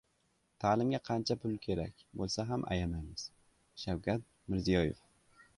Ta’limga qancha pul kerak bo‘lsa ham ayamaymiz — Shavkat Mirziyoyev